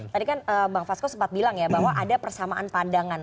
tadi kan bang fasko sempat bilang ya bahwa ada persamaan pandangan